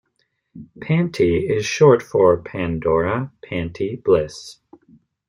'Panti' is short for 'Pandora Panti Bliss'.